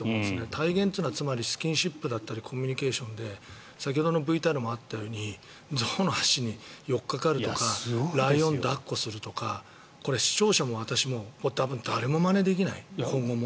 体現というのはつまりスキンシップだったりコミュニケーションで先ほどのＶＴＲにもあったように象の足に寄っかかるとかライオンを抱っこするとか視聴者も私も多分誰もまねできない、今後も。